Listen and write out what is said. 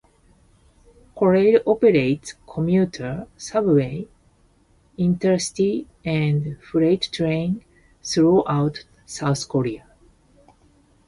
Korail operates commuter, subway, intercity and freight trains throughout South Korea.